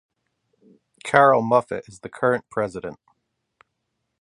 Carroll Muffett is the current president.